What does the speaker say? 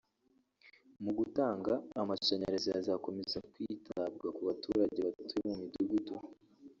Mu gutanga amashanyarazi hazakomeza kwitabwa ku baturage batuye mu midugudu